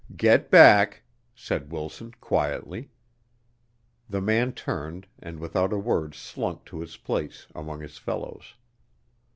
"Get back," said Wilson, quietly. The man turned, and without a word slunk to his place among his fellows.